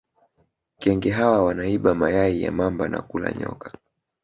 kenge hawa wanaiba mayai ya mamba na kula nyoka